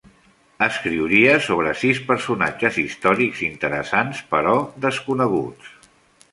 Escriuria sobre sis personatges històrics interessants però desconeguts.